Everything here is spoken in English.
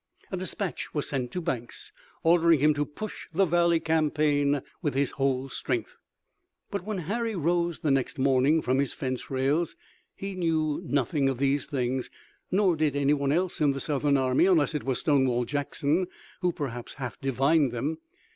A dispatch was sent to Banks ordering him to push the valley campaign with his whole strength. But when Harry rose the next morning from his fence rails he knew nothing of these things. Nor did anyone else in the Southern army, unless it was Stonewall Jackson who perhaps half divined them.